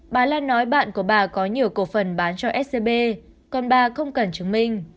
bà lan nói bạn của bà có nhiều cổ phần bán cho scb còn bà không cần chứng minh